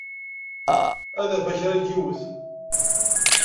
Ad d-afeɣ kra n yiwet.